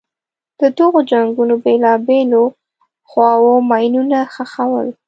د دغو جنګونو بېلابېلو خواوو ماینونه ښخول.